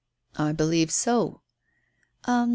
"I believe so." "Um.